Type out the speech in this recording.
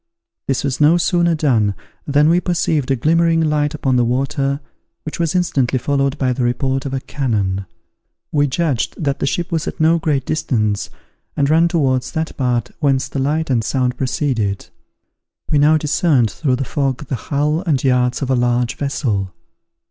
This was no sooner done, than we perceived a glimmering light upon the water which was instantly followed by the report of a cannon. We judged that the ship was at no great distance and all ran towards that part whence the light and sound proceeded. We now discerned through the fog the hull and yards of a large vessel.